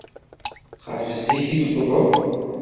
Ɣef zik i d-wwḍeɣ?